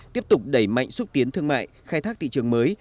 tiếp tục đẩy mạnh xúc tiến thương mại khai thác thị trường mới